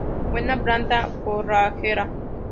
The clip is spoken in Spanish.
Buena planta forrajera.